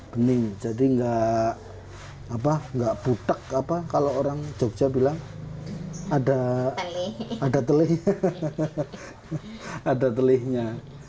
bening jadi nggak butak kalau orang jogja bilang ada telihnya